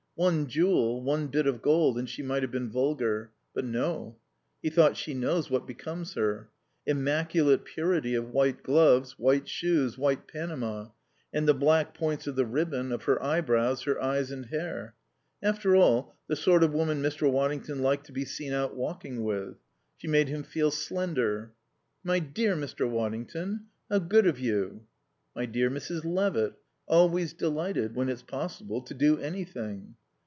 One jewel, one bit of gold, and she might have been vulgar. But no. He thought: she knows what becomes her. Immaculate purity of white gloves, white shoes, white panama; and the black points of the ribbon, of her eyebrows, her eyes and hair. After all, the sort of woman Mr. Waddington liked to be seen out walking with. She made him feel slender. "My dear Mr. Waddington, how good of you!" "My dear Mrs. Levitt always delighted when it's possible to do anything."